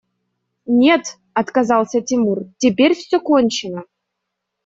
– Нет, – отказался Тимур, – теперь все кончено.